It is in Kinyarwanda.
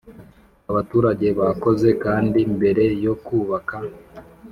abaturage bakoze kandi mbere yo kubaka